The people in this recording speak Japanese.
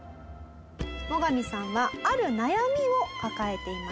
モガミさんはある悩みを抱えていました。